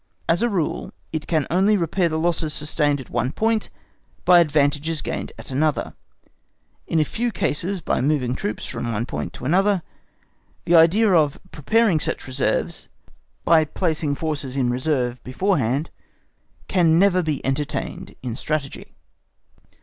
As A rule, it can only repair the losses sustained at one point by advantages gained at another, in a few cases by moving troops from one point to another; the idea of preparing for such reverses by placing forces in reserve beforehand, can never be entertained in Strategy.